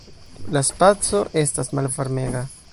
La Spaco estas malvarmega.